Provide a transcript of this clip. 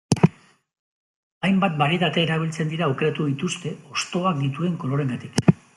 Hainbat barietate erabiltzen dira aukeratu dituzte hostoak dituen koloreengatik.